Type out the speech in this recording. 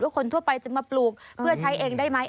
คนทั่วไปจะมาปลูกเพื่อใช้เองได้ไหม